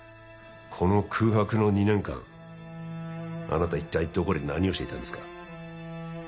この空白の２年間あなた一体どこで何をしていたんですか？